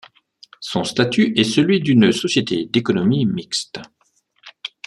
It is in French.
Son statut est celui d'une société d'économie mixte.